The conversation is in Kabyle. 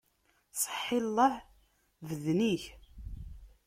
Seḥḥi llah, beden-ik!